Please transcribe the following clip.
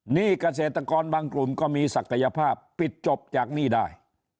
หนี้เกษตรกรบางกลุ่มก็มีศักยภาพปิดจบจากหนี้ได้